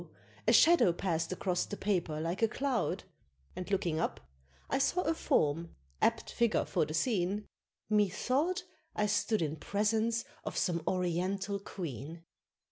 a shadow pass'd across the paper like a cloud, And looking up I saw a form, apt figure for the scene, Methought I stood in presence of some oriental queen!